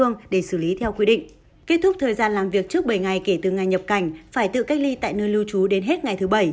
kết thúc thời gian làm việc trước bảy ngày kể từ ngày nhập cảnh phải tự cách ly tại nơi lưu trú đến hết ngày thứ bảy